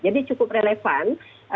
jadi cukup relevan